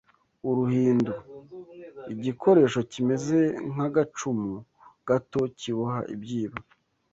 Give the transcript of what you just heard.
Uruhindu: Igikoresho kimeze nk’agacumu gato kiboha ibyibo